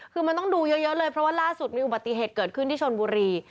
คือมันต้องดูเยอะเลยเพราะว่าล่าสุดมีอุบัติเหตุเกิดขึ้นที่ชนบุรี